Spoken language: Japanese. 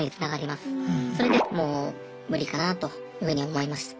それでもう無理かなというふうに思いました。